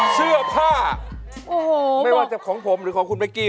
เสื้อผ้าไม่ว่าจะของผมหรือของคุณเป๊กกี้